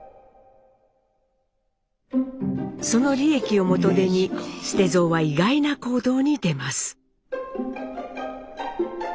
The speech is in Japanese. その利益を元手に捨蔵は意外な行動に出ます。